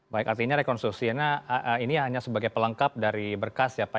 baik artinya rekonstruksinya ini hanya sebagai pelengkap dari berkas ya pak